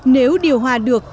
nếu điều hòa được